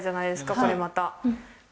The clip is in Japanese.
これまた。